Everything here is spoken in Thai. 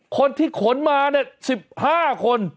คนที่ขนมาเนี่ย๑๕คน